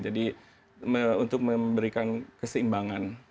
jadi untuk memberikan keseimbangan